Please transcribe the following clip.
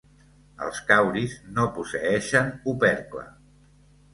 Els cauris no posseeixen opercle.